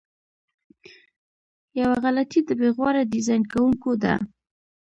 یوه غلطي د بې غوره ډیزاین کوونکو ده.